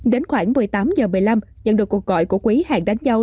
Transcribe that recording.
đến khoảng một mươi tám h một mươi năm nhận được cuộc gọi của quý hàng đánh dâu